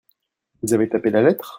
Vous avez tapé la lettre ?